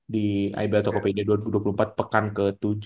di ibl tokopedia dua ribu dua puluh empat pekan ke tujuh